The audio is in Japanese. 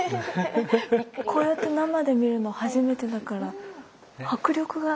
こうやって生で見るの初めてだから迫力が。